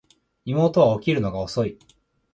妹は起きるのが遅い